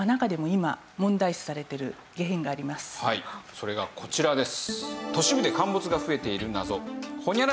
それがこちらです。